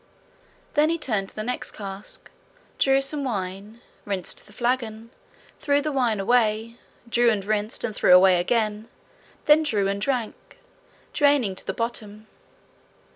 Then he turned to the next cask, drew some wine, rinsed the flagon, threw the wine away, drew and rinsed and threw away again, then drew and drank, draining to the bottom.